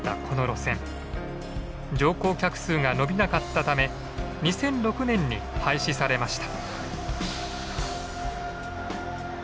乗降客数が伸びなかったため２００６年に廃止されました。